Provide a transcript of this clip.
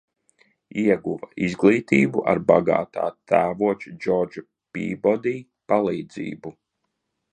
Ieguva izglītību ar bagātā tēvoča Džordža Pībodī palīdzību.